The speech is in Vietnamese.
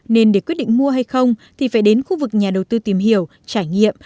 nên để quyết định mua hay không thì phải đến khu vực nhà đầu tư tìm hiểu trải nghiệm